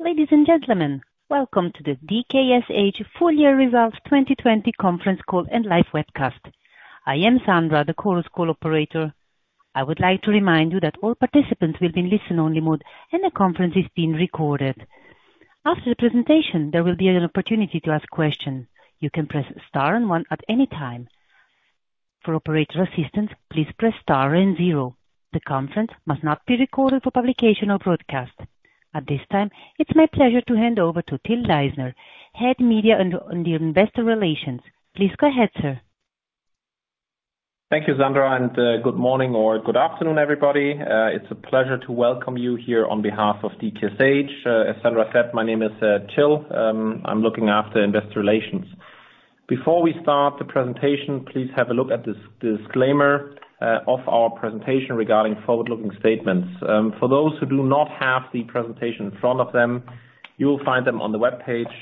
Ladies and gentlemen, welcome to the DKSH Full Year Results 2020 conference call and live webcast. I am Sandra, the conference call operator. I would like to remind you that all participants will be in listen-only mode, and the conference is being recorded. After the presentation, there will be an opportunity to ask questions. You can press star and one at any time. For operator assistance, please press star and zero. The conference must not be recorded for publication or broadcast. At this time, it's my pleasure to hand over to Till Leisner, Head Media and the Investor Relations. Please go ahead, sir. Thank you, Sandra. Good morning or good afternoon, everybody. It's a pleasure to welcome you here on behalf of DKSH. As Sandra said, my name is Till. I'm looking after investor relations. Before we start the presentation, please have a look at the disclaimer of our presentation regarding forward-looking statements. For those who do not have the presentation in front of them, you will find them on the webpage,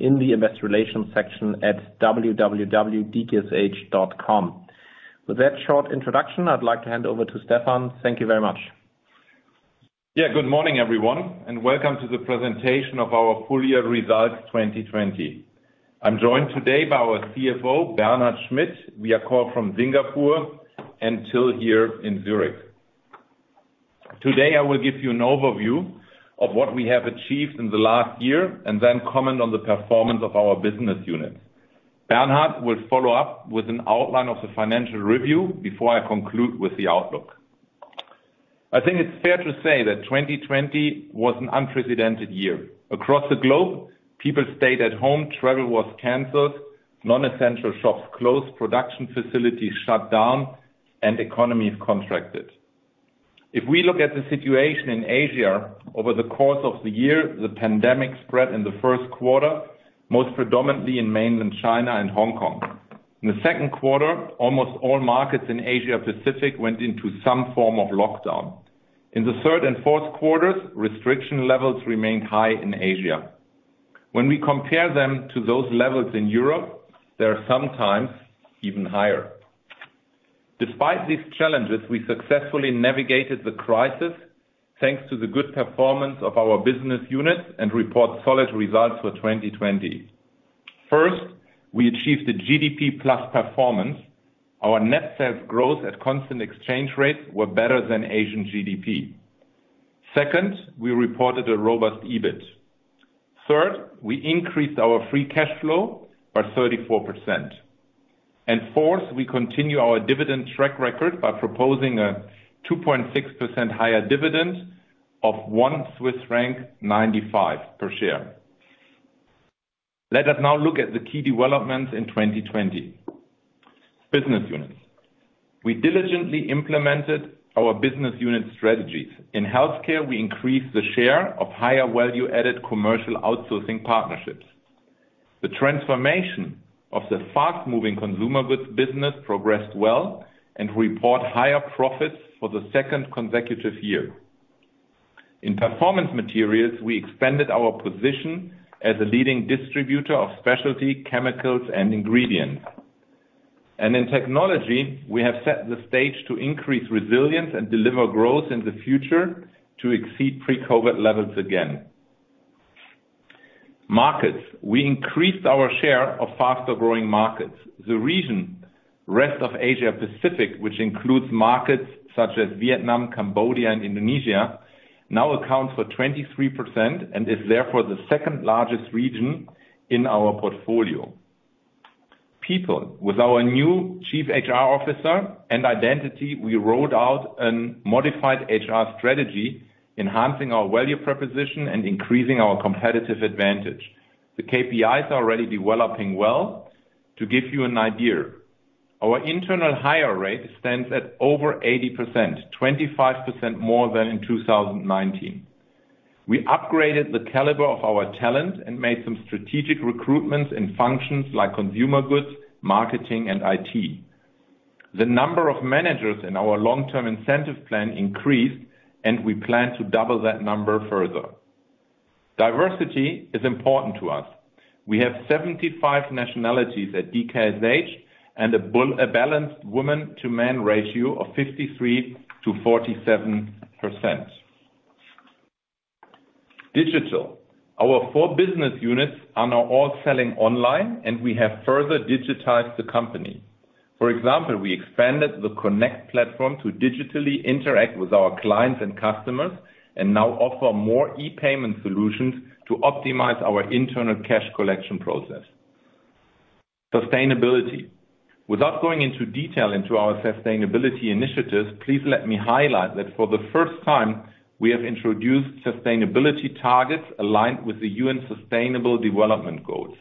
in the Investor Relations section at www.dksh.com. With that short introduction, I'd like to hand over to Stefan. Thank you very much. Good morning, everyone, and welcome to the presentation of our full year results 2020. I'm joined today by our CFO, Bernhard Schmitt. We are calling from Singapore, and Till here in Zurich. Today, I will give you an overview of what we have achieved in the last year, and then comment on the performance of our business unit. Bernhard will follow up with an outline of the financial review before I conclude with the outlook. I think it's fair to say that 2020 was an unprecedented year. Across the globe, people stayed at home, travel was canceled, non-essential shops closed, production facilities shut down, and economies contracted. If we look at the situation in Asia over the course of the year, the pandemic spread in the first quarter, most predominantly in mainland China and Hong Kong. In the second quarter, almost all markets in Asia Pacific went into some form of lockdown. In the third and fourth quarters, restriction levels remained high in Asia. When we compare them to those levels in Europe, they are sometimes even higher. Despite these challenges, we successfully navigated the crisis thanks to the good performance of our business units and report solid results for 2020. First, we achieved the GDP plus performance. Our net sales growth at constant exchange rates were better than Asian GDP. Second, we reported a robust EBIT. Third, we increased our free cash flow by 34%. Fourth, we continue our dividend track record by proposing a 2.6% higher dividend of 1.95 Swiss franc per share. Let us now look at the key developments in 2020. Business units. We diligently implemented our business unit strategies. In Healthcare, we increased the share of higher value-added commercial outsourcing partnerships. The transformation of the fast-moving Consumer Goods business progressed well and report higher profits for the second consecutive year. In Performance Materials, we expanded our position as a leading distributor of specialty chemicals and ingredients. In Technology, we have set the stage to increase resilience and deliver growth in the future to exceed pre-COVID levels again. Markets. We increased our share of faster-growing markets. The region rest of Asia Pacific, which includes markets such as Vietnam, Cambodia, and Indonesia, now accounts for 23% and is therefore the second-largest region in our portfolio. People. With our new Chief HR Officer and Identity, we rolled out a modified HR strategy, enhancing our value proposition and increasing our competitive advantage. The KPIs are already developing well. To give you an idea, our internal hire rate stands at over 80%, 25% more than in 2019. We upgraded the caliber of our talent and made some strategic recruitments in functions like Consumer Goods, marketing, and IT. The number of managers in our long-term incentive plan increased, and we plan to double that number further. Diversity is important to us. We have 75 nationalities at DKSH and a balanced woman-to-man ratio of 53% to 47%. Digital. Our four business units are now all selling online, and we have further digitized the company. For example, we expanded the Connect platform to digitally interact with our clients and customers, and now offer more e-payment solutions to optimize our internal cash collection process. Sustainability. Without going into detail into our sustainability initiatives, please let me highlight that for the first time, we have introduced sustainability targets aligned with the UN Sustainable Development Goals.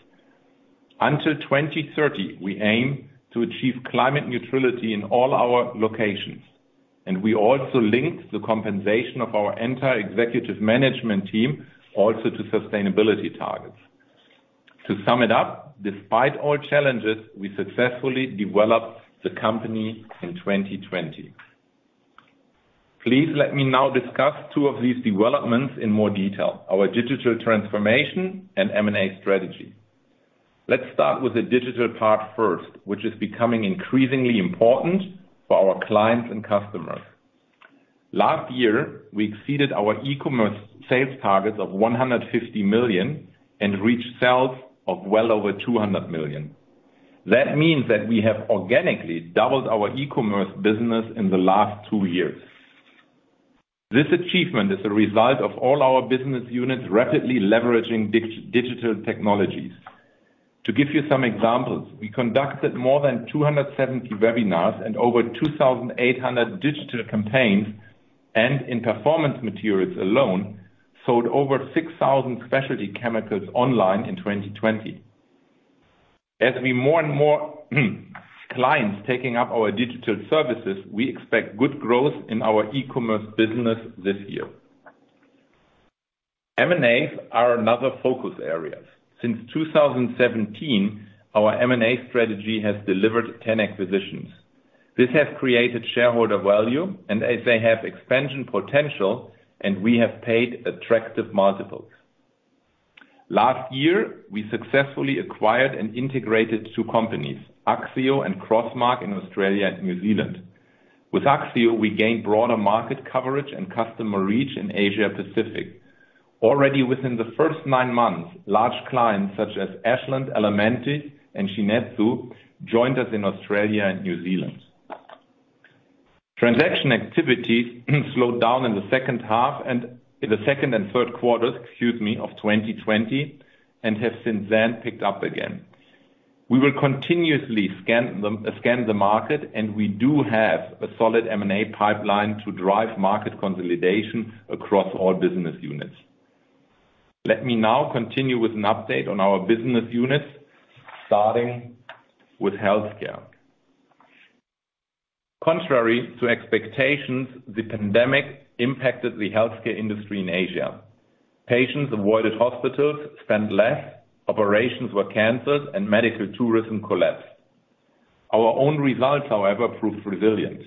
Until 2030, we aim to achieve climate neutrality in all our locations. We also linked the compensation of our entire executive management team also to sustainability targets. To sum it up, despite all challenges, we successfully developed the company in 2020. Please let me now discuss two of these developments in more detail, our digital transformation and M&A strategy. Let's start with the digital part first, which is becoming increasingly important for our clients and customers. Last year, we exceeded our e-commerce sales targets of 150 million and reached sales of well over 200 million. That means that we have organically doubled our E-commerce business in the last two years. This achievement is a result of all our business units rapidly leveraging digital technologies. To give you some examples, we conducted more than 270 webinars and over 2,800 digital campaigns, and in Performance Materials alone, sold over 6,000 specialty chemicals online in 2020. As we see more and more clients taking up our digital services, we expect good growth in our E-commerce business this year. M&As are another focus area. Since 2017, our M&A strategy has delivered 10 acquisitions. This has created shareholder value and as they have expansion potential and we have paid attractive multiples. Last year, we successfully acquired and integrated two companies, Axieo and Crossmark in Australia and New Zealand. With Axieo, we gained broader market coverage and customer reach in Asia Pacific. Already within the first nine months, large clients such as Ashland, Elementis, and Shin-Etsu joined us in Australia and New Zealand. Transaction activities slowed down in the second and third quarters of 2020 and have since then picked up again. We will continuously scan the market and we do have a solid M&A pipeline to drive market consolidation across all business units. Let me now continue with an update on our business units starting with Healthcare. Contrary to expectations, the pandemic impacted the Healthcare industry in Asia. Patients avoided hospitals, spent less, operations were canceled, and medical tourism collapsed. Our own results however proved resilient.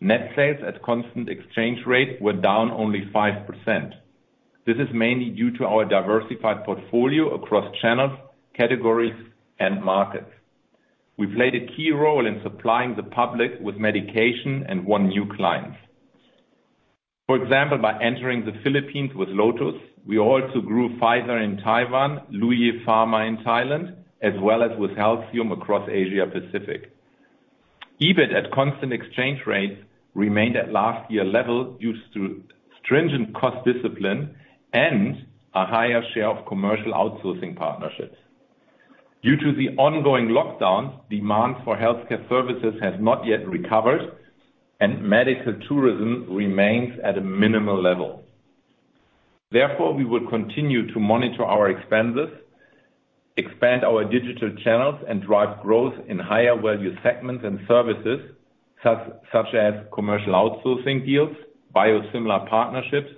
Net sales at constant exchange rate were down only 5%. This is mainly due to our diversified portfolio across channels, categories, and markets. We played a key role in supplying the public with medication and won new clients. For example, by entering the Philippines with Lotus, we also grew Pfizer in Taiwan, Luye Pharma in Thailand, as well as with Haleon across Asia Pacific. EBIT at constant exchange rates remained at last year level due to stringent cost discipline and a higher share of commercial outsourcing partnerships. Due to the ongoing lockdowns, demand for healthcare services has not yet recovered and medical tourism remains at a minimal level. Therefore, we will continue to monitor our expenses, expand our digital channels and drive growth in higher value segments and services such as commercial outsourcing deals, biosimilar partnerships,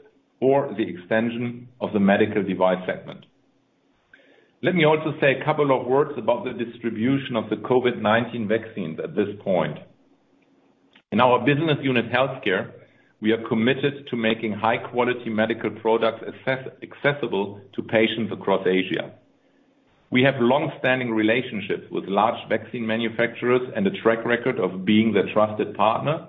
or the extension of the medical device segment. Let me also say a couple of words about the distribution of the COVID-19 vaccines at this point. In our Business Unit Healthcare, we are committed to making high-quality medical products accessible to patients across Asia. We have longstanding relationships with large vaccine manufacturers and a track record of being their trusted partner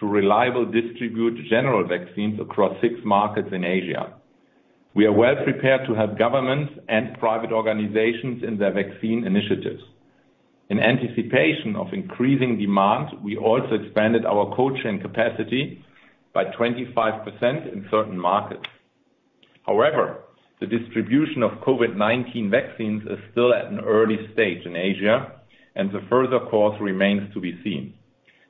to reliably distribute general vaccines across six markets in Asia. We are well-prepared to help governments and private organizations in their vaccine initiatives. In anticipation of increasing demand, we also expanded our cold chain capacity by 25% in certain markets. However, the distribution of COVID-19 vaccines is still at an early stage in Asia and the further course remains to be seen.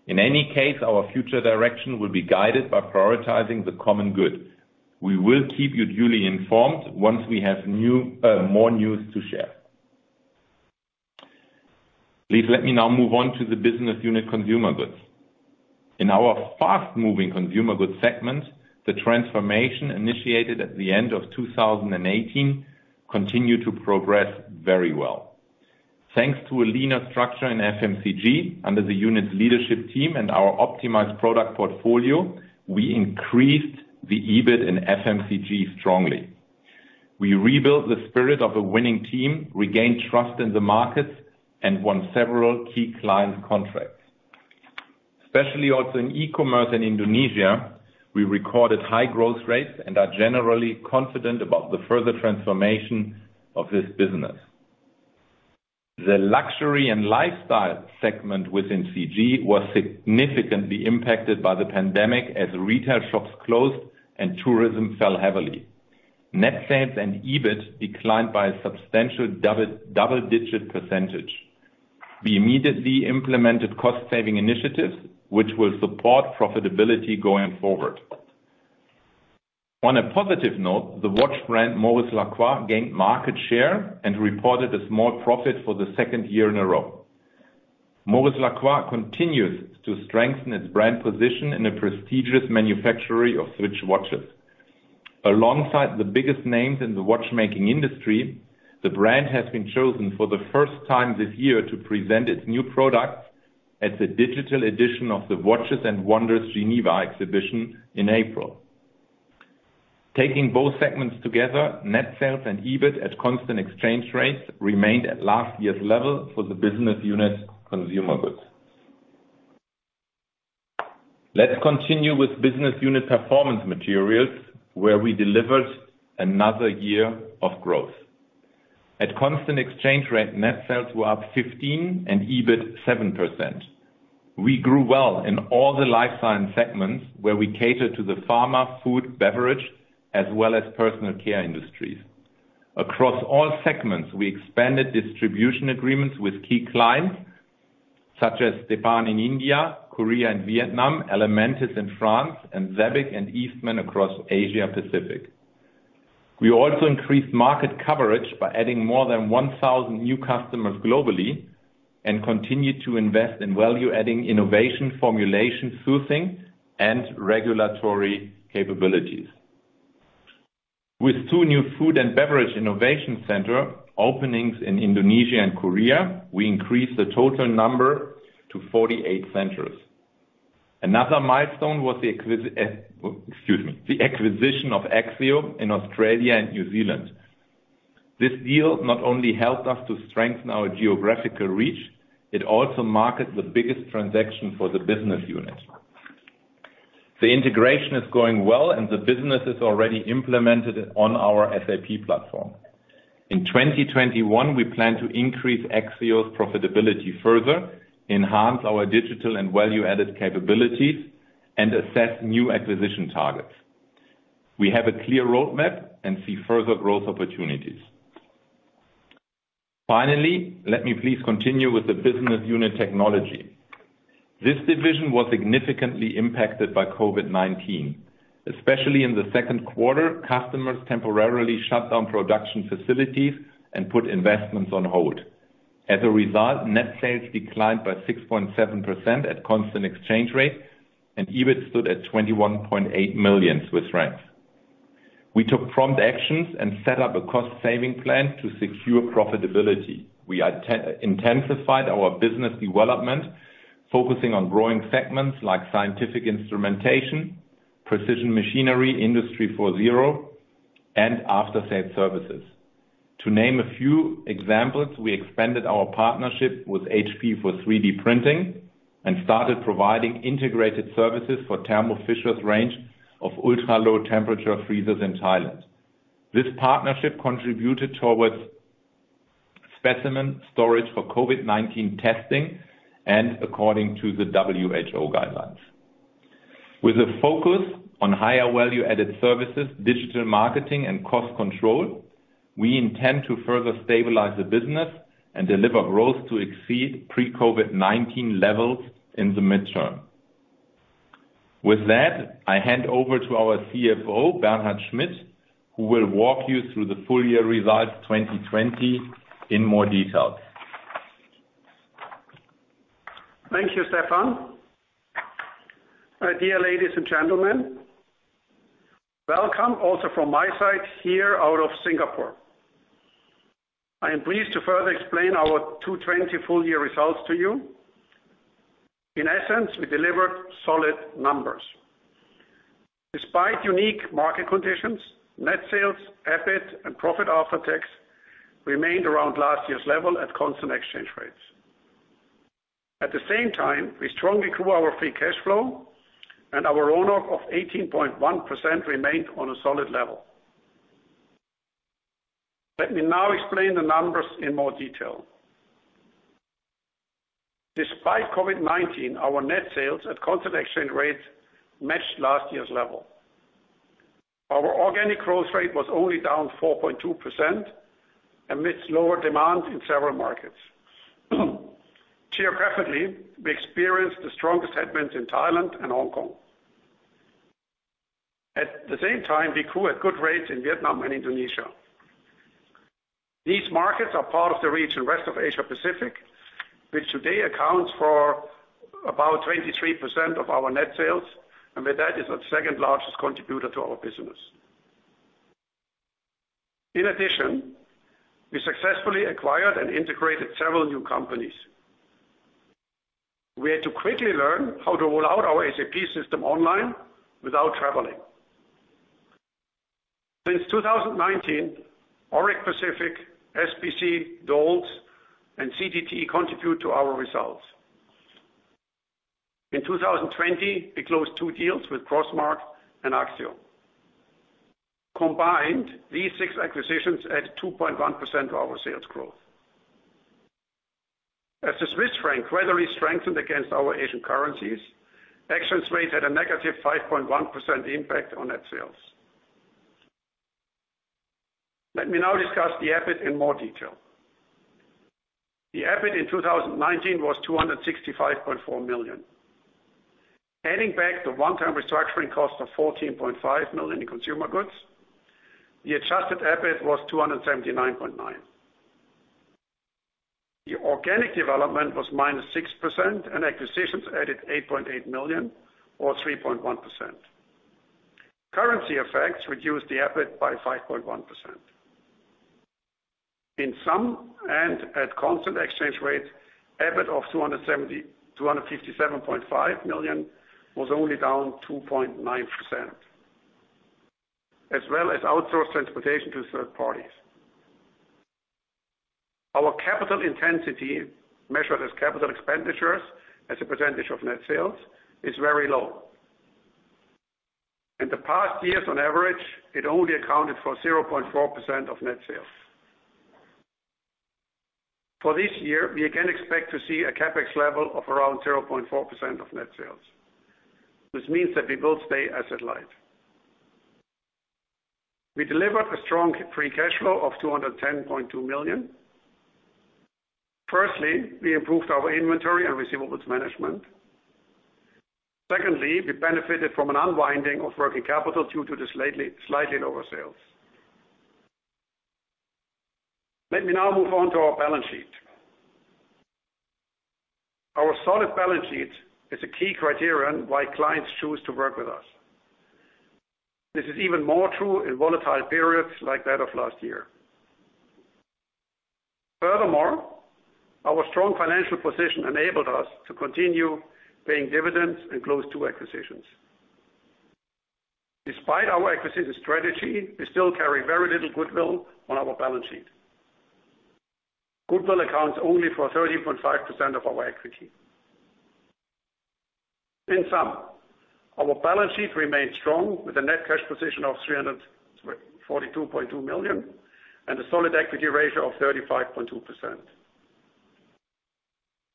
In any case, our future direction will be guided by prioritizing the common good. We will keep you duly informed once we have more news to share. Please let me now move on to Business Unit Consumer Goods. in our Fast-Moving Consumer Goods segment, the transformation initiated at the end of 2018 continued to progress very well. Thanks to a leaner structure in FMCG under the unit's leadership team and our optimized product portfolio, we increased the EBIT in FMCG strongly. We rebuilt the spirit of a winning team, regained trust in the markets, and won several key client contracts. Especially also in E-commerce in Indonesia, we recorded high growth rates and are generally confident about the further transformation of this business. The Luxury and Lifestyle segment with FMCG was significantly impacted by the pandemic as retail shops closed and tourism fell heavily. Net sales and EBIT declined by a substantial double-digit percentage. We immediately implemented cost-saving initiatives which will support profitability going forward. On a positive note, the watch brand Maurice Lacroix gained market share and reported a small profit for the second year in a row. Maurice Lacroix continues to strengthen its brand position in a prestigious manufacturer of Swiss watches. Alongside the biggest names in the watchmaking industry, the brand has been chosen for the first time this year to present its new products at the digital edition of the Watches and Wonders Geneva exhibition in April. Taking both segments together, net sales and EBIT at constant exchange rates remained at last year's level for Business Unit Consumer Goods. let's continue Business Unit Performance Materials, where we delivered another year of growth. At constant exchange rate, net sales were up 15% and EBIT 7%. We grew well in all the Life Science segments where we cater to the pharma, food, beverage, as well as personal care industries. Across all segments, we expanded distribution agreements with key clients such as DuPont in India, Korea, and Vietnam, Elementis in France, and SABIC and Eastman across Asia Pacific. We also increased market coverage by adding more than 1,000 new customers globally and continued to invest in value-adding innovation formulation, sourcing, and regulatory capabilities. With two new food and beverage innovation center openings in Indonesia and Korea, we increased the total number to 48 centers. Another milestone was the acquisition of Axieo in Australia and New Zealand. This deal not only helped us to strengthen our geographical reach, it also marked the biggest transaction for the business unit. The integration is going well, and the business has already implemented it on our SAP platform. In 2021, we plan to increase Axieo's profitability further, enhance our digital and value-added capabilities, and assess new acquisition targets. We have a clear roadmap and see further growth opportunities. Finally, let me please continue with the Business Unit Technology. This division was significantly impacted by COVID-19. Especially in the second quarter, customers temporarily shut down production facilities and put investments on hold. As a result, net sales declined by 6.7% at constant exchange rate and EBIT stood at 21.8 million Swiss francs. We took prompt actions and set up a cost-saving plan to secure profitability. We intensified our business development, focusing on growing segments like Scientific Instrumentation, Precision Machinery, Industry 4.0, and After-Sale Services. To name a few examples, we expanded our partnership with HP for 3D printing and started providing integrated services for Thermo Fisher's range of ultra-low temperature freezers in Thailand. This partnership contributed towards specimen storage for COVID-19 testing and according to the WHO guidelines. With a focus on higher value-added services, digital marketing, and cost control, we intend to further stabilize the business and deliver growth to exceed pre-COVID-19 levels in the midterm. With that, I hand over to our CFO, Bernhard Schmitt, who will walk you through the full year results 2020 in more detail. Thank you, Stefan. Dear ladies and gentlemen, welcome also from my side here out of Singapore. I am pleased to further explain our 2020 full year results to you. In essence, we delivered solid numbers. Despite unique market conditions, net sales, EBIT, and profit after tax remained around last year's level at constant exchange rates. At the same time, we strongly grew our free cash flow and our ROIC of 18.1% remained on a solid level. Let me now explain the numbers in more detail. Despite COVID-19, our net sales at constant exchange rates matched last year's level. Our organic growth rate was only down 4.2% amidst lower demand in several markets. Geographically, we experienced the strongest headwinds in Thailand and Hong Kong. At the same time, we grew at good rates in Vietnam and Indonesia. These markets are part of the region Rest of Asia Pacific, which today accounts for about 23% of our net sales, and with that, is our second-largest contributor to our business. In addition, we successfully acquired and integrated several new companies. We had to quickly learn how to roll out our SAP system online without traveling. Since 2019, Auric Pacific, SPC, Dols, and CTD contribute to our results. In 2020, we closed two deals with Crossmark and Axieo. Combined, these six acquisitions add 2.1% to our sales growth. As the Swiss franc rather strengthened against our Asian currencies, exchange rates had a -5.1% impact on net sales. Let me now discuss the EBIT in more detail. The EBIT in 2019 was 265.4 million. Adding back the one-time restructuring cost of 14.5 million in Consumer Goods, the Adjusted EBIT was 279.9 million. The organic development was -6% and acquisitions added 8.8 million or 3.1%. Currency effects reduced the EBIT by 5.1%. In sum and at constant exchange rates, EBIT of 257.5 million was only down 2.9%. As well as outsource transportation to third parties. Our capital intensity, measured as capital expenditures as a percentage of net sales, is very low. In the past years on average, it only accounted for 0.4% of net sales. For this year, we again expect to see a CapEx level of around 0.4% of net sales. This means that we will stay asset light. We delivered a strong free cash flow of 210.2 million. Firstly, we improved our inventory and receivables management. Secondly, we benefited from an unwinding of working capital due to the slight lower sales. Let me now move on to our balance sheet. Our solid balance sheet is a key criterion why clients choose to work with us. This is even more true in volatile periods like that of last year. Furthermore, our strong financial position enabled us to continue paying dividends and close two acquisitions. Despite our acquisition strategy, we still carry very little goodwill on our balance sheet. Goodwill accounts only for 30.5% of our equity. In sum, our balance sheet remains strong with a net cash position of 342.2 million and a solid equity ratio of 35.2%.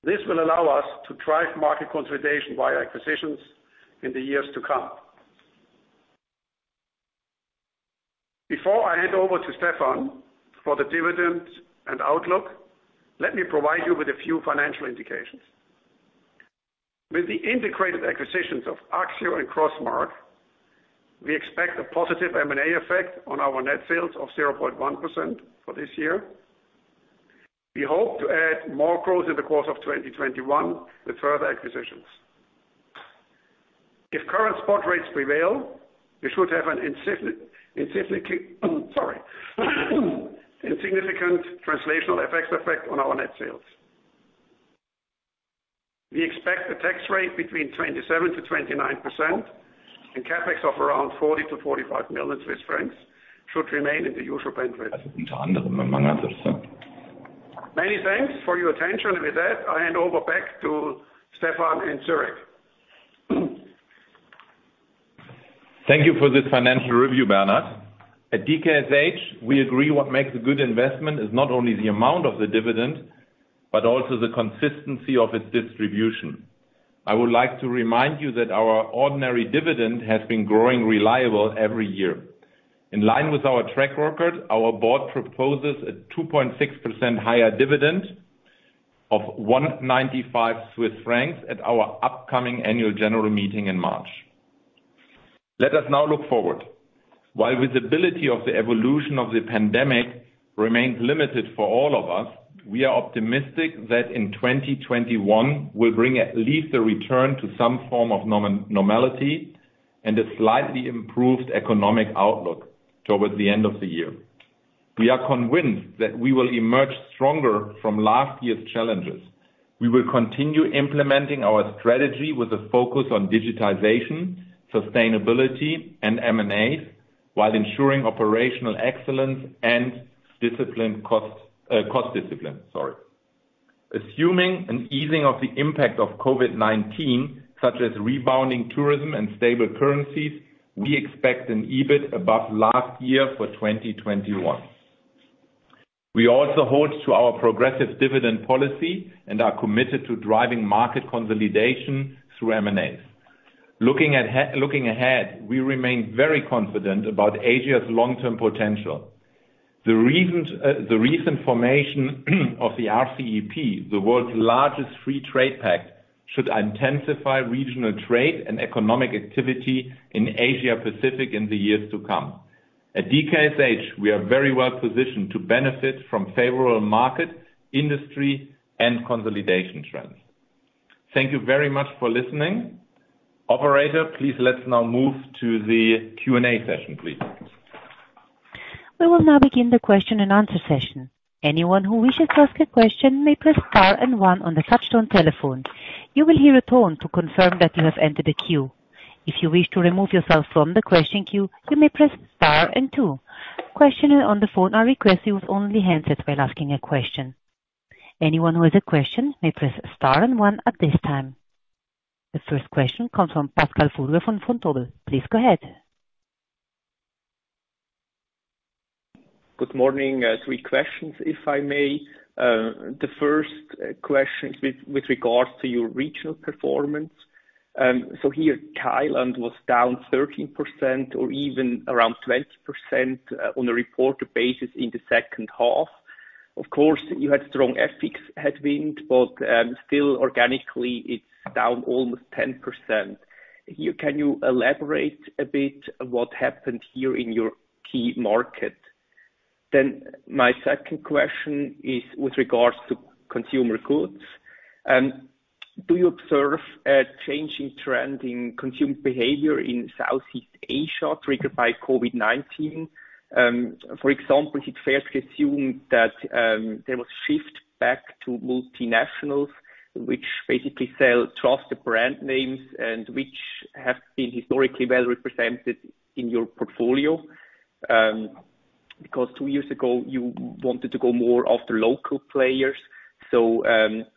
This will allow us to drive market consolidation via acquisitions in the years to come. Before I hand over to Stefan for the dividends and outlook, let me provide you with a few financial indications. With the integrated acquisitions of Axieo and Crossmark, we expect a positive M&A effect on our net sales of 0.1% for this year. We hope to add more growth in the course of 2021 with further acquisitions. If current spot rates prevail, we should have an insignificant translational FX effect on our net sales. We expect a tax rate between 27%-29%, and CapEx of around 40 million-45 million Swiss francs should remain in the usual bandwidth. Many thanks for your attention. With that, I hand over back to Stefan in Zurich. Thank you for this financial review, Bernhard. At DKSH, we agree what makes a good investment is not only the amount of the dividend, but also the consistency of its distribution. I would like to remind you that our ordinary dividend has been growing reliably every year. In line with our track record, our board proposes a 2.6% higher dividend of 1.95 Swiss francs at our upcoming annual general meeting in March. Let us now look forward. While visibility of the evolution of the pandemic remains limited for all of us, we are optimistic that in 2021, we'll bring at least a return to some form of normality and a slightly improved economic outlook towards the end of the year. We are convinced that we will emerge stronger from last year's challenges. We will continue implementing our strategy with a focus on digitization, sustainability, and M&A while ensuring operational excellence and cost discipline. Assuming an easing of the impact of COVID-19, such as rebounding tourism and stable currencies, we expect an EBIT above last year for 2021. We also hold to our progressive dividend policy and are committed to driving market consolidation through M&As. Looking ahead, we remain very confident about Asia's long-term potential. The recent formation of the RCEP, the world's largest free trade pact, should intensify regional trade and economic activity in Asia Pacific in the years to come. At DKSH, we are very well-positioned to benefit from favorable market, industry, and consolidation trends. Thank you very much for listening. Operator, please let's now move to the Q&A session, please. The first question comes from [Pascal Furrer] from Vontobel. Please go ahead. Good morning. Three questions, if I may. The first question with regards to your regional performance. Here, Thailand was down 13% or even around 20% on a reported basis in the second half. Of course, you had strong FX headwind, but still organically, it's down almost 10%. Can you elaborate a bit what happened here in your key market? My second question is with regards to Consumer Goods. Do you observe a changing trend in consumer behavior in Southeast Asia triggered by COVID-19? For example, is it fair to assume that there was shift back to multinationals, which basically sell trusted brand names and which have been historically well-represented in your portfolio? Two years ago you wanted to go more after local players.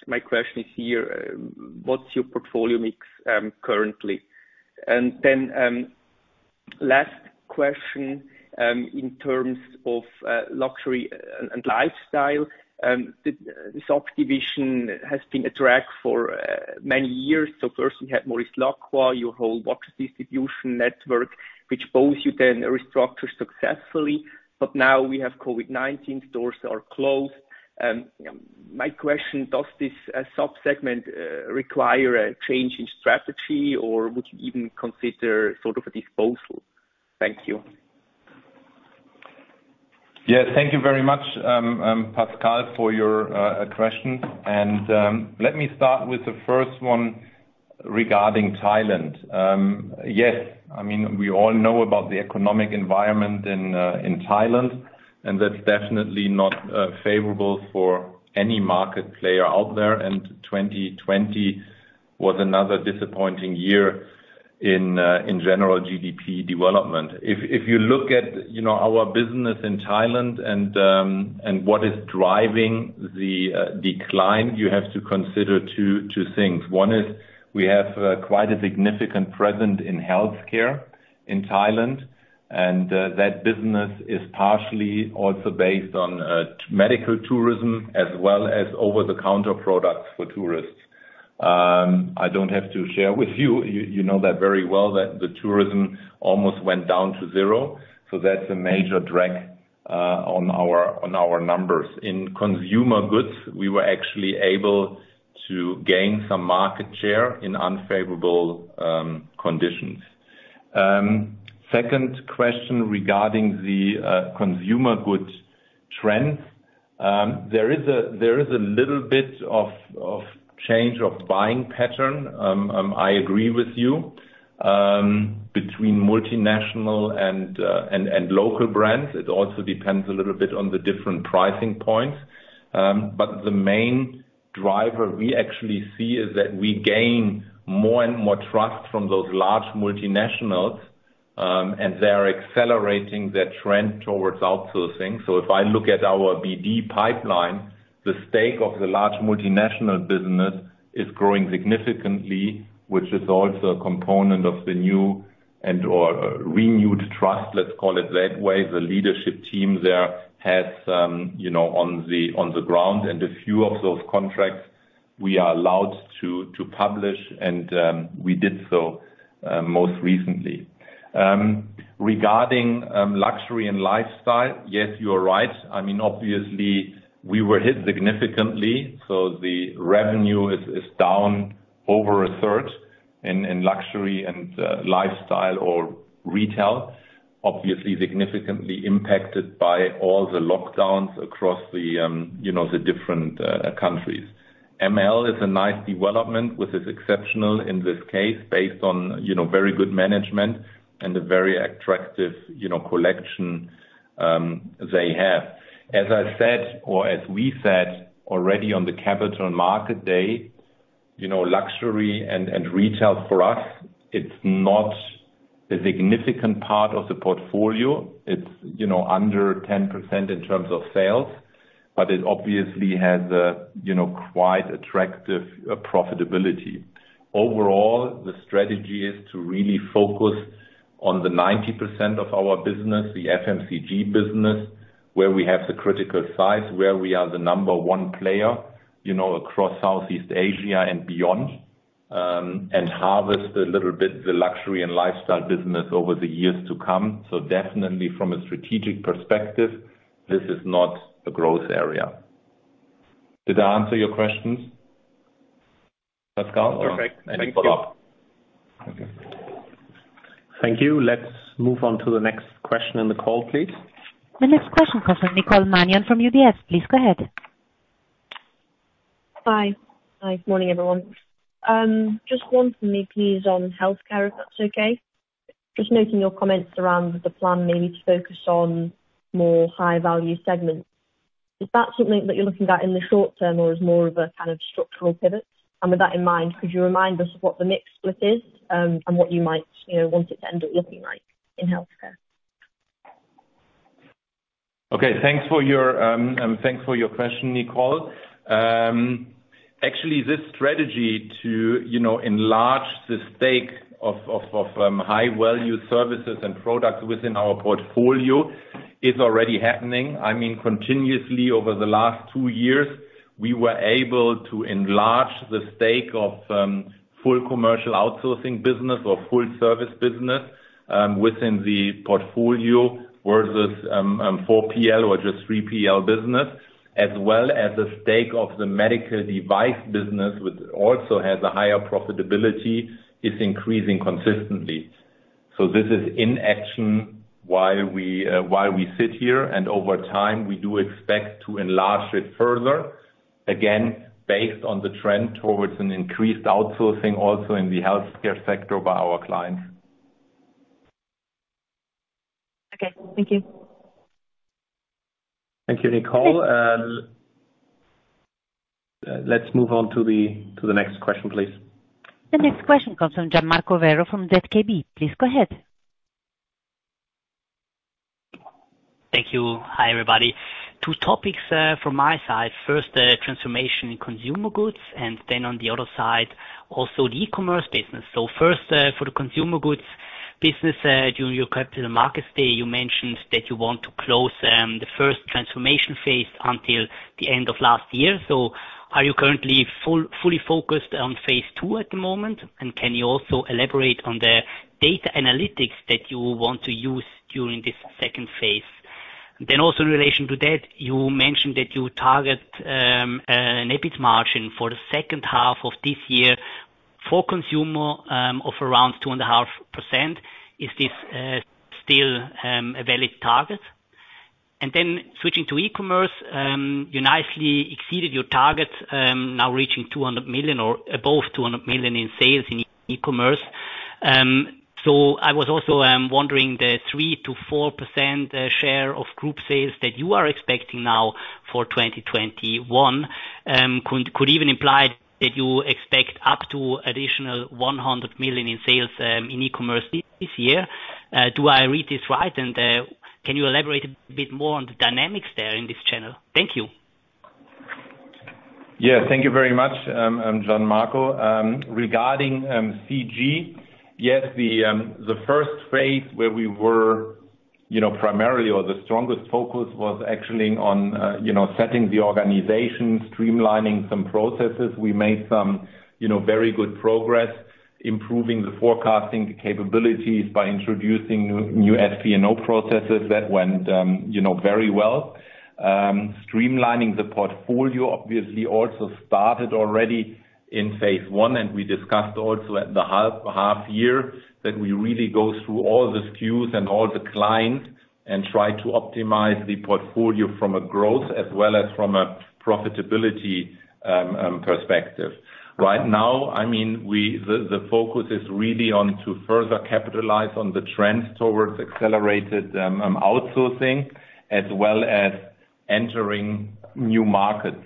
My question is here, what's your portfolio mix currently? Last question, in terms of Luxury and Lifestyle, this subdivision has been a drag for many years. First we had Maurice Lacroix, your whole watches distribution network, which both you then restructured successfully. Now we have COVID-19, stores are closed. My question, does this sub-segment require a change in strategy or would you even consider a disposal? Thank you. Yes. Thank you very much, Pascal, for your questions. Let me start with the first one regarding Thailand. Yes. We all know about the economic environment in Thailand, that's definitely not favorable for any market player out there. 2020 was another disappointing year in general GDP development. If you look at our business in Thailand and what is driving the decline, you have to consider two things. One is we have quite a significant presence in Healthcare in Thailand, that business is partially also based on medical tourism as well as over-the-counter products for tourists. I don't have to share with you know that very well that the tourism almost went down to zero. That's a major drag on our numbers. In Consumer Goods, we were actually able to gain some market share in unfavorable conditions. Second question regarding the Consumer Goods trends. There is a little bit of change of buying pattern, I agree with you, between multinational and local brands. It also depends a little bit on the different pricing points. The main driver we actually see is that we gain more and more trust from those large multinationals, and they are accelerating their trend towards outsourcing. If I look at our BD pipeline, the stake of the large multinational business is growing significantly, which is also a component of the new and/or renewed trust, let's call it that way. The leadership team there has on the ground and a few of those contracts we are allowed to publish and we did so most recently. Regarding Luxury and Lifestyle, yes, you are right. Obviously we were hit significantly, so the revenue is down over a third in Luxury and Lifestyle or retail, obviously significantly impacted by all the lockdowns across the different countries. ML is a nice development, which is exceptional in this case based on very good management and a very attractive collection they have. As I said, or as we said already on the Capital Market Day, luxury and retail for us, it's not a significant part of the portfolio. It's under 10% in terms of sales, but it obviously has quite attractive profitability. Overall, the strategy is to really focus on the 90% of our business, the FMCG business, where we have the critical size, where we are the number one player across Southeast Asia and beyond, and harvest a little bit the Luxury and Lifestyle business over the years to come. Definitely from a strategic perspective, this is not a growth area. Did I answer your questions, Pascal? Perfect. Thank you. Okay. Thank you. Let's move on to the next question in the call, please. The next question comes from Nicole Manion from UBS. Please go ahead. Hi. Morning, everyone. Just one from me, please, on Healthcare, if that's okay. Just noting your comments around the plan mainly to focus on more high-value segments. Is that something that you're looking at in the short-term or is more of a structural pivot? With that in mind, could you remind us of what the mix split is, and what you might want it to end up looking like in Healthcare? Okay. Thanks for your question, Nicole. This strategy to enlarge the stake of high-value services and products within our portfolio is already happening. Continuously over the last two years, we were able to enlarge the stake of full commercial outsourcing business or full service business within the portfolio versus 4PL or just 3PL business, as well as the stake of the medical device business, which also has a higher profitability, is increasing consistently. This is in action while we sit here, and over time, we do expect to enlarge it further, again, based on the trend towards an increased outsourcing also in the Healthcare sector by our clients. Okay. Thank you. Thank you, Nicole. Let's move on to the next question, please. The next question comes from Gian Marco Werro from ZKB. Please go ahead. Thank you. Hi, everybody. Two topics from my side. First, transformation in Consumer Goods. On the other side, also the E-commerce business. First, for the Consumer Goods business, during your Capital Markets Day, you mentioned that you want to close the first transformation phase until the end of last year. Are you currently fully focused on phase II at the moment? Can you also elaborate on the data analytics that you want to use during this second phase? Also in relation to that, you mentioned that you target an EBIT margin for the second half of this year for Consumer of around 2.5%. Is this still a valid target? Switching to E-commerce, you nicely exceeded your targets, now reaching 200 million or above 200 million in sales in E-commerce. I was also wondering the 3%-4% share of group sales that you are expecting now for 2021, could even imply that you expect up to additional 100 million in sales in E-commerce this year. Do I read this right? Can you elaborate a bit more on the dynamics there in this channel? Thank you. Yeah, thank you very much, Gian Marco. Regarding CG, yes, the first phase where we were primarily, or the strongest focus was actually on setting the organization, streamlining some processes. We made some very good progress improving the forecasting capabilities by introducing new S&OP processes that went very well. Streamlining the portfolio obviously also started already in phase one, and we discussed also at the half year that we really go through all the SKUs and all the clients and try to optimize the portfolio from a growth as well as from a profitability perspective. Right now, the focus is really on to further capitalize on the trends towards accelerated outsourcing as well as entering new markets.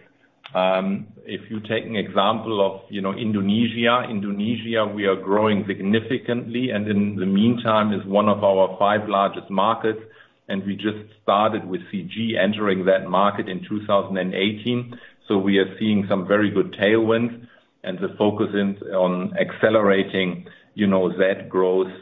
If you take an example of Indonesia, we are growing significantly, and in the meantime is one of our five largest markets, and we just started with CG entering that market in 2018. We are seeing some very good tailwinds and the focus is on accelerating that growth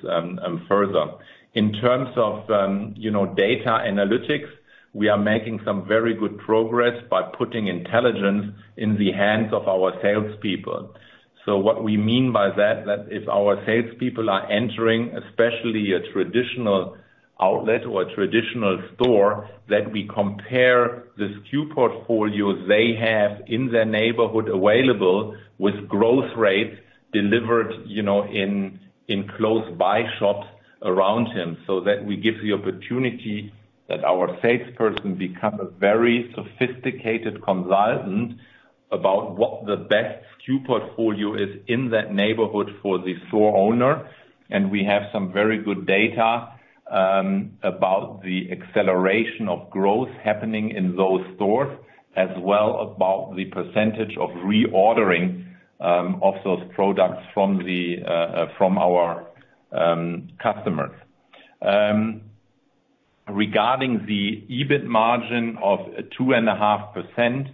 further. In terms of data analytics, we are making some very good progress by putting intelligence in the hands of our salespeople. What we mean by that if our salespeople are entering, especially a traditional outlet or a traditional store, that we compare the SKU portfolios they have in their neighborhood available with growth rates delivered in close by shops around him. That we give the opportunity that our salesperson become a very sophisticated consultant about what the best SKU portfolio is in that neighborhood for the store owner. We have some very good data about the acceleration of growth happening in those stores, as well about the % of reordering of those products from our customers. Regarding the EBIT margin of 2.5%,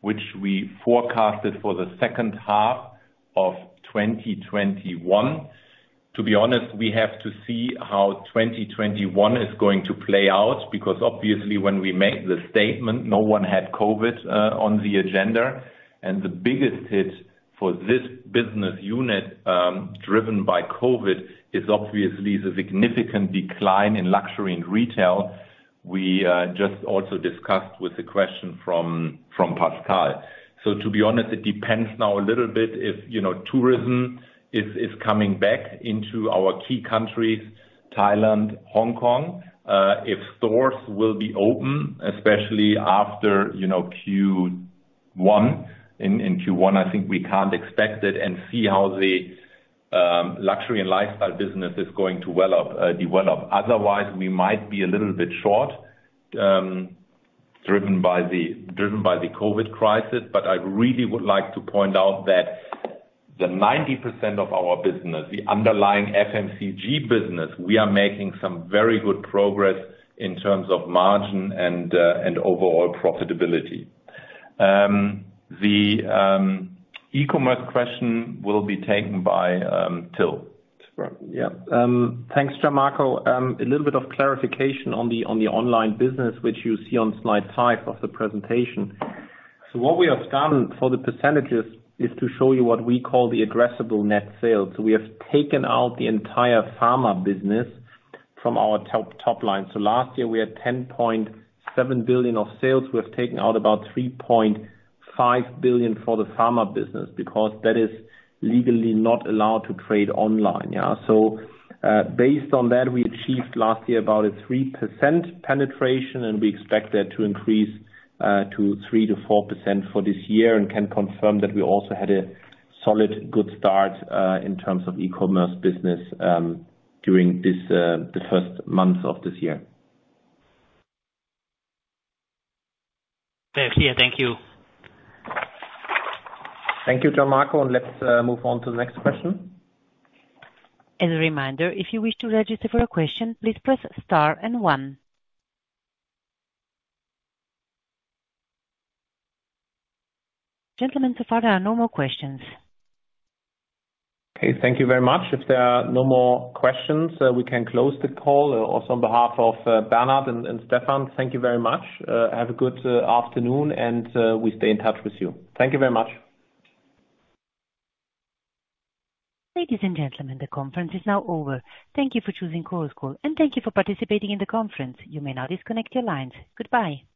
which we forecasted for the second half of 2021. To be honest, we have to see how 2021 is going to play out, because obviously when we made the statement, no one had COVID-19 on the agenda, and the biggest hit for this business unit driven by COVID-19 is obviously the significant decline in luxury and retail. We just also discussed with a question from Pascal. To be honest, it depends now a little bit if tourism is coming back into our key countries, Thailand, Hong Kong, if stores will be open, especially after Q1. In Q1, I think we can't expect it and see how the luxury and lifestyle business is going to develop. Otherwise, we might be a little bit short, driven by the COVID-19 crisis. I really would like to point out that the 90% of our business, the underlying FMCG business, we are making some very good progress in terms of margin and overall profitability. The E-commerce question will be taken by Till. Sure. Yeah. Thanks, Gian Marco. A little bit of clarification on the online business, which you see on slide five of the presentation. What we have done for the percentage is to show you what we call the addressable net sales. We have taken out the entire pharma business from our top line. Last year, we had 10.7 billion of sales. We have taken out about 3.5 billion for the Pharma business because that is legally not allowed to trade online. Based on that, we achieved last year about a 3% penetration, and we expect that to increase to 3%-4% for this year and can confirm that we also had a solid, good start in terms of E-commerce business during the first month of this year. Very clear. Thank you. Thank you, Gian Marco, and let's move on to the next question. As a reminder, if you wish to register for a question, please press star and one. Gentlemen, so far there are no more questions. Okay, thank you very much. If there are no more questions, we can close the call. On behalf of Bernhard and Stefan, thank you very much. Have a good afternoon, and we stay in touch with you. Thank you very much. Ladies and gentlemen, the conference is now over. Thank you for choosing Chorus Call, and thank you for participating in the conference. You may now disconnect your lines. Goodbye.